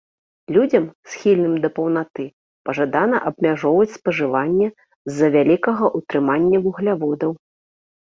Людзям, схільным да паўнаты, пажадана абмяжоўваць спажыванне з-за вялікага ўтрымання вугляводаў.